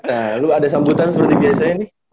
nah lalu ada sambutan seperti biasanya nih